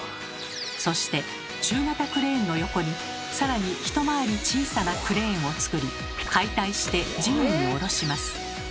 そして中型クレーンの横に更に一回り小さなクレーンをつくり解体して地面に下ろします。